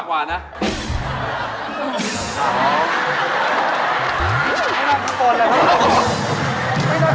เอาหมดแล้วหมดแล้วนั่ง